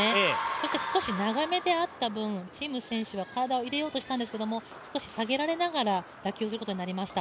そして少し長めであった分、陳夢選手は体を入れようとしたんですけれども少し下げられながら打球することになりました。